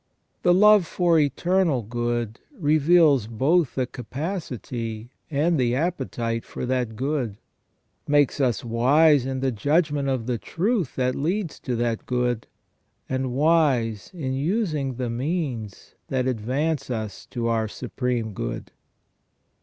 The love for eternal good reveals both the capacity and the appetite for that good ; makes us wise in the judgment of the truth that leads to that good ; and wise in using the means that advance us to our supreme good.